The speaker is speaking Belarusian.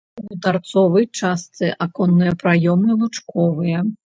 У тарцовай частцы аконныя праёмы лучковыя.